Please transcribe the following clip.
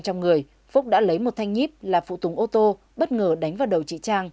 trong người phúc đã lấy một thanh nhíp là phụ tùng ô tô bất ngờ đánh vào đầu chị trang